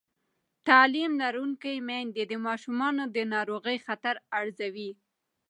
تعلیم لرونکې میندې د ماشومانو د ناروغۍ خطر ارزوي.